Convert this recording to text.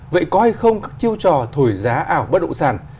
vậy coi hay không các chiêu trò thổi giá ảo bất động sản